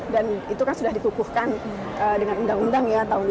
dan itu kan sudah dipukuhkan dengan undang undang ya tahun dua ribu sebelas